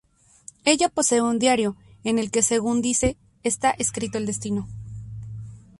Ella posee un diario, en el que según dice está escrito el destino.